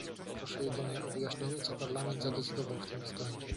Proszę jedynie o wyjaśnienie, co Parlament zadecydował w tym względzie